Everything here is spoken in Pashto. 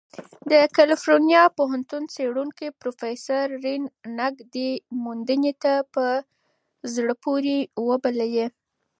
د کلیفورنیا پوهنتون څېړونکی پروفیسر رین نګ دې موندنې ته "په زړه پورې" وبللې.